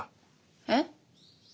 えっ？